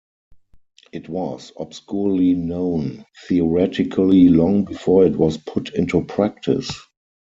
It was obscurely known theoretically long before it was put into practice.